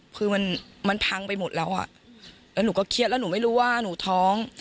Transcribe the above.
คือมันมันพังไปหมดแล้วอ่ะแล้วหนูก็เครียดแล้วหนูไม่รู้ว่าหนูท้อง